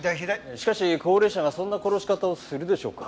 しかし高齢者がそんな殺し方をするでしょうか？